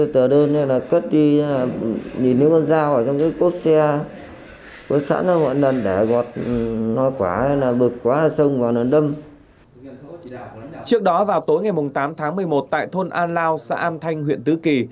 trước đó vào tối ngày tám tháng một mươi một tại thôn an lao xã an thanh huyện tứ kỳ